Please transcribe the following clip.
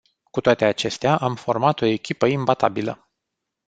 Cu toate acestea, am format o echipă imbatabilă.